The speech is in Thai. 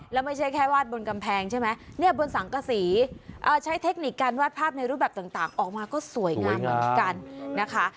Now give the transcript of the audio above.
แล้วไม่ใช่แค่วาดบนกำแพงใช่ไหมเนี่ยบนสังกษีใช้เทคนิคการวาดภาพในรูปแบบต่างออกมาก็สวยงามเหมือนกันนะคะ